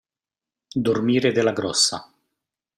Dormire della grossa.